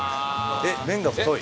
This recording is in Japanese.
えっ麺が太い。